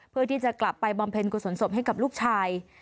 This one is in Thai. เพื่อที่จะกลับไปบำเพ็ญกุศลศพให้กับลูกชาย